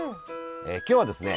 今日はですね